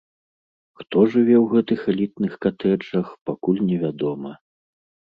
Хто жыве ў гэтых элітных катэджах, пакуль невядома.